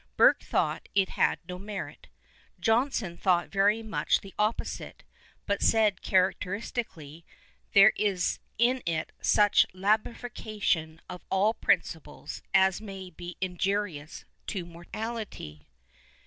Burke thought it had no merit. Johnson thought very nuieh the opposite, but said characteristically, " There is in it such a labefactation of all princij)lcs as may be injurious to morality."